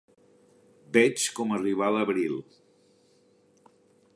Veig com arribar l'abril.